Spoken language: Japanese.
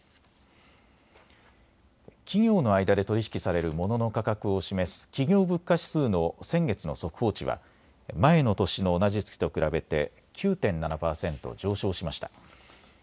企業の間で取り引きされるモノの価格を示す企業物価指数の先月の速報値は前の年の同じ月と比べて９．７％上昇しました。